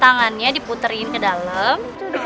tangannya diputerin ke dalam